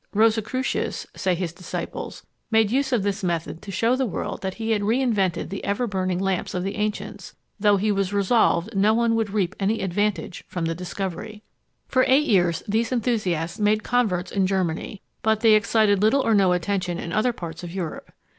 "Rosicreucius, say his disciples, made use of this method to shew the world that he had re invented the ever burning lamps of the ancients, though he was resolved no one should reap any advantage from the discovery." For eight years these enthusiasts made converts in Germany, but they excited little or no attention in other parts of Europe.